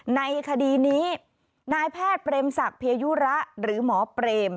ในคดีนี้นายแพทย์เปรมศักดิยยุระหรือหมอเปรม